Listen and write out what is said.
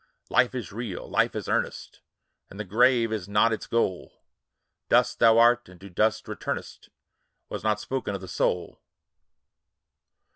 Life is real ! Life is earnest ! And the grave is not its goal ; Dust thou art, to dust returnest, Was not spoken of the soul.